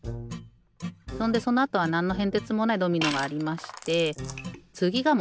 そんでそのあとはなんのへんてつもないドミノがありましてつぎがもんだいですよ。